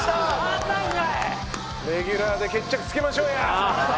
レギュラーで決着つけましょうや。